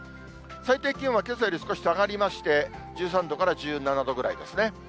最低気温はけさより少し下がりまして、１３度から１７度ぐらいですね。